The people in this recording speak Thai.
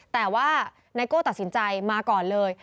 แต่ว่าไนโก้ตัดสินใจมาก่อนเลย